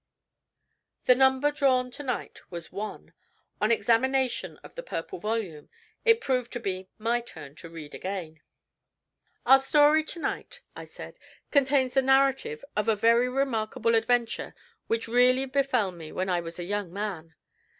The number drawn to night was One. On examination of the Purple Volume, it proved to be my turn to read again. "Our story to night," I said, "contains the narrative of a very remarkable adventure which really befell me when I was a young man.